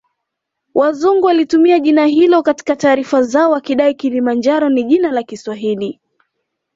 Wazungu walitumia jina hilo katika taarifa zao wakidai Kilimanjaro ni jina la Kiswahili